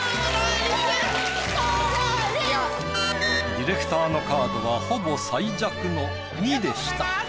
ディレクターのカードはほぼ最弱の２でした。